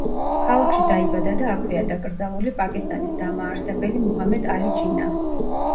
ქალაქში დაიბადა და აქვეა დაკრძალული პაკისტანის დამაარსებელი მუჰამედ ალი ჯინა.